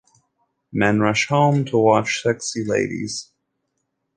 Men rush home to watch sexy ladies.